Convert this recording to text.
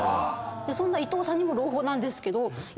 そんな伊藤さんにも朗報なんですけど今。